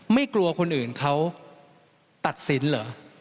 ไม่กลัวคนอื่นเขาตัดสินเหรอ